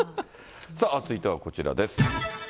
続いてはこちらです。